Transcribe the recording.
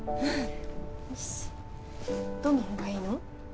よしどの本がいいの？